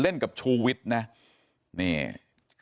แล้วถ้าคุณชุวิตไม่ออกมาเป็นเรื่องกลุ่มมาเฟียร์จีน